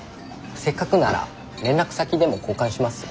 せっかくなら連絡先でも交換します？